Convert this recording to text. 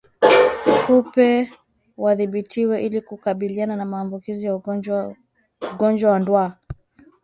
Kupe wadhibitiwe ili kukabiliana na maambukizi ya ugonjwa Ugonjwa wa Ndwa